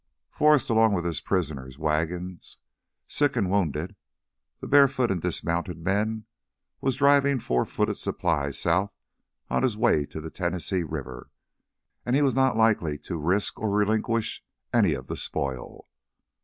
Forrest, along with his prisoners, wagons, sick and wounded, the barefoot, and dismounted men, was driving four footed supplies south on his way to the Tennessee River, and he was not likely to risk or relinquish any of the spoil.